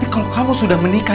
kaka taat ibu